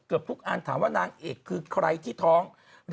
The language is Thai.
เกือบทุกอันถามว่านางเอกคือใครที่ท้อง